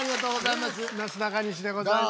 なすなかにしでございます。